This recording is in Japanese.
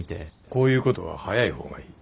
こういうことは早い方がいい。